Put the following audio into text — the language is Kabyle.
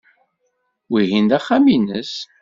Wihin d axxam-nnes.